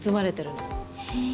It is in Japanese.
へえ。